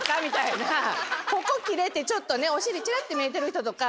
ここ切れてちょっとねお尻チラって見えてる人とか。